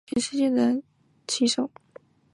这一手棋震惊了全世界的棋手。